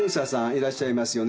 いらっしゃいますよね？